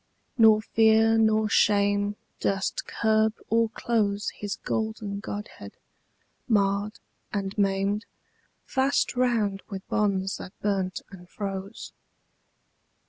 Nor fear nor shame durst curb or close His golden godhead, marred and maimed, Fast round with bonds that burnt and froze.